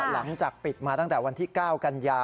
หลังจากปิดมาตั้งแต่วันที่๙กันยา